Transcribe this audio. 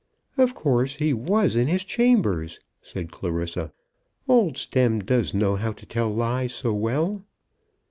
"Of course he was in his chambers," said Clarissa. "Old Stemm does know how to tell lies so well!"